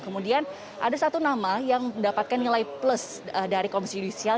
kemudian ada satu nama yang mendapatkan nilai plus dari komisi judisial